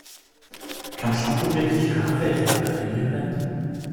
Kann Shampoo wirklich Haare reparieren?